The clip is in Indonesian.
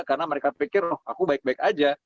karena mereka pikir aku baik baik aja